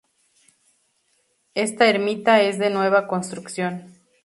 Esta ermita es de nueva construcción.